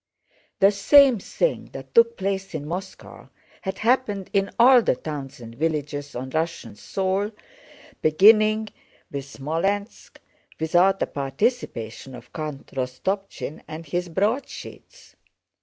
The same thing that took place in Moscow had happened in all the towns and villages on Russian soil beginning with Smolénsk, without the participation of Count Rostopchín and his broadsheets.